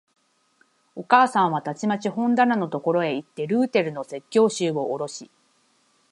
お母さんはたちまち本棚のところへいって、ルーテルの説教集をおろし、